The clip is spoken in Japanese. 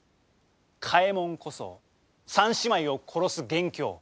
嘉右衛門こそ３姉妹を殺す元凶。